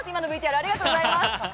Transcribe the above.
ありがとうございます。